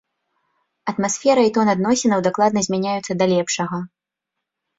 Атмасфера і тон адносінаў дакладна змяняюцца да лепшага.